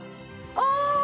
ああ！